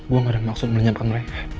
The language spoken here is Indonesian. gue gak ada maksud menunjukkan mereka